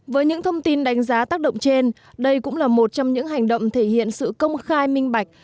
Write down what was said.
với những thông tin đánh giá tác động trên đây cũng là một trong những hành động thể hiện sự công khai minh bạch